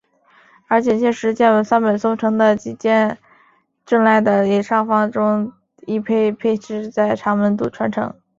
而警戒石见三本松城的吉见正赖的野上房忠军势亦被配置在长门渡川城。